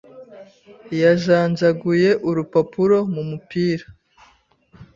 Yajanjaguye urupapuro mu mupira.